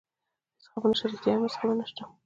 هېڅ خبره نشته، رښتیا وایم هېڅ خبره نشته.